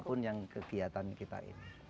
apapun yang kegiatan kita ini